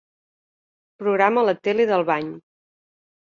Programa la tele del bany.